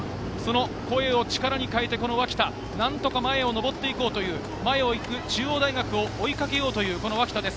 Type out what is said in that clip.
声を力に変えて、脇田、何とか前を上って行こうという中央大学を追いかけようという脇田です。